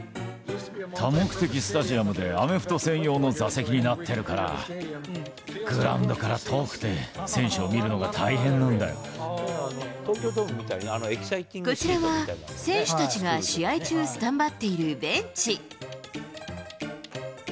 多目的スタジアムで、アメフト専用の座席になっているから、グラウンドから遠くて、こちらは、選手たちが試合中スタンバっているベンチ。